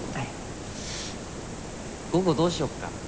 午後どうしよっか？